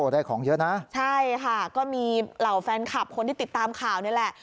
ได้ของเยอะนะใช่ค่ะก็มีเหล่าแฟนคลับคนที่ติดตามข่าวนี่แหละ